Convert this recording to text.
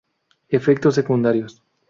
Efectos Secundarios